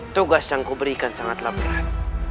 tugas yang kuberikan sangatlah berat